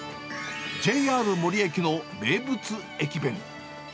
ＪＲ森駅の名物駅弁。